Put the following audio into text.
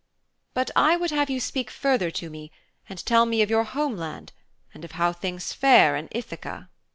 But I would have you speak further to me and tell me of your homeland and of how things fare in Ithaka.'